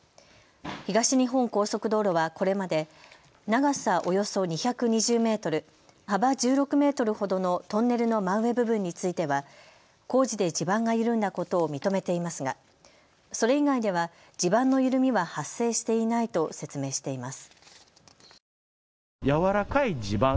東日本高速道路はこれまで長さおよそ２２０メートル、幅１６メートルほどのトンネルの真上部分については工事で地盤が緩んだことを認めていますがそれ以外では地盤の緩みは発生していないと説明しています。